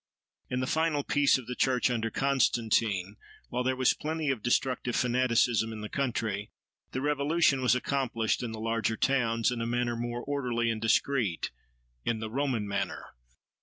In the final "Peace" of the Church under Constantine, while there was plenty of destructive fanaticism in the country, the revolution was accomplished in the larger towns, in a manner more orderly and discreet—in the Roman manner.